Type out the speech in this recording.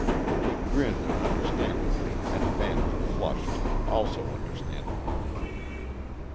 He grinned understandingly and Manley flushed also understandingly.